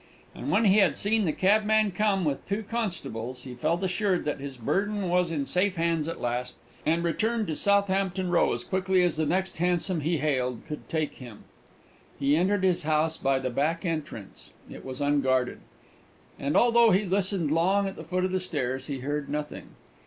And when he had seen the cabman come with two constables, he felt assured that his burden was in safe hands at last, and returned to Southampton Row as quickly as the next hansom he hailed could take him. He entered his house by the back entrance: it was unguarded; and although he listened long at the foot of the stairs, he heard nothing.